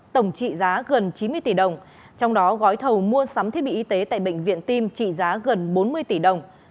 tổng trị giá gần chín mươi tỷ đồng trong đó gói thầu mua sắm thiết bị y tế tại bệnh viện tim trị giá gần bốn mươi tỷ đồng